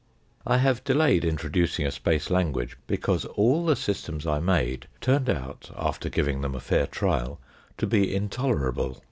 I have delayed introducing a space language because all the systems I made turned out, after giving them a fair trial, to be intolerable.